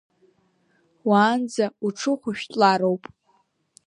Уаанӡа уҽухәшәтәлароуп…